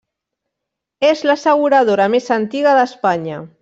És l'asseguradora més antiga d'Espanya.